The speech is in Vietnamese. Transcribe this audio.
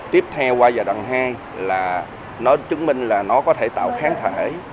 tiếp theo qua giai đoạn hai là nó chứng minh là nó có thể tạo kháng thể